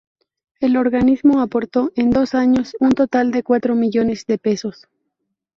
El organismo aportó, en dos años, un total de cuatro millones de pesos.